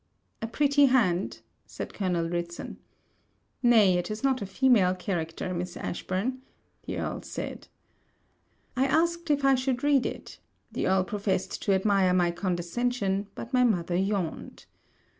'A pretty hand,' said Colonel Ridson. 'Nay, it is not a female character, Miss Ashburn,' the Earl said. I asked if I should read it; the Earl professed to admire my condescension, but my mother yawned.